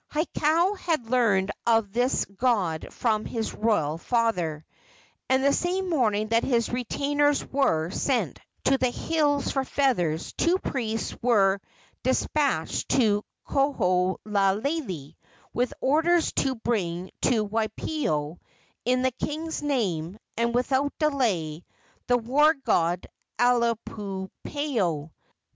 Hakau had learned of this god from his royal father, and the same morning that his retainers were sent to the hills for feathers two priests were despatched to Koholalele, with orders to bring to Waipio, in the king's name and without delay, the war god Akuapaao.